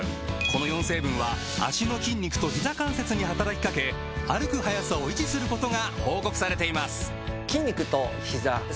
この４成分は脚の筋肉とひざ関節に働きかけ歩く速さを維持することが報告されています